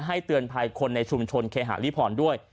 เตือนภัยคนในชุมชนเคหาริพรด้วย